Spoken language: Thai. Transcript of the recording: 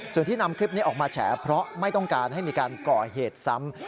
ส่วนที่นำคลิปนี้ออกมาแฉเพราะไม่ต้องการให้มีการก่อเหตุซ้ำ